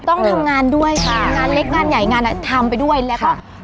ต้องทำงานด้วยค่ะงานเล็กงานใหญ่งานอ่ะทำไปด้วยแล้วก็